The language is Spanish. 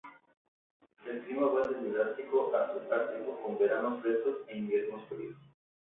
El clima va desde ártico a subártico, con veranos frescos e inviernos fríos.